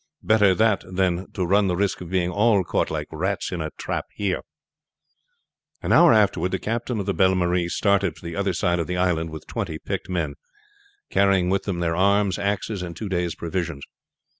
Better that than to run the risk of being all caught like rats in a trap here." An hour afterward the captain of the Belle Marie started for the other side of the island with twenty picked men, carrying with them their arms, axes, and two days' provisions.